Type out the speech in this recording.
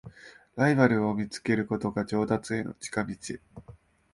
ライバルを見つけることが上達への近道